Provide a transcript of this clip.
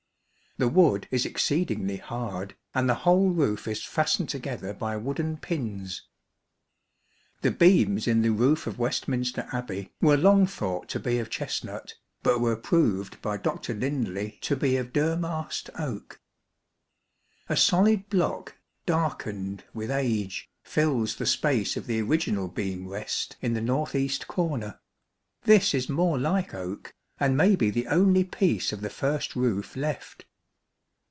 The wood is exceedingly hard, and the whole roof is fastened together by wooden pins. The beams in the roof of Westminster Abbey were long thought to be of chestnut, but were proved by Dr. Lindley to be of Durmast oak. A solid block, darkened with age, fills the space of the original beam rest in the north east corner, this is more like oak, and may be the only piece of the first roof left.